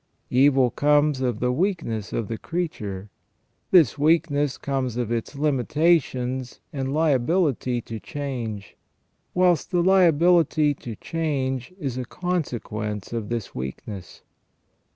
Evil comes of the weakness of the creature. This weakness comes of ON EVIL AND THE ORIGIN OF EVIL. 179 its limitations and liability to change, whilst the liability to change is a consequence of this weakness.